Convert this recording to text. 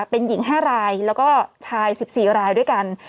เป็นหญิง๕รายแล้วก็ชาย๑๔รายด้วยกัน